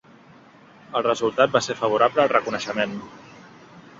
El resultat va ser favorable al reconeixement.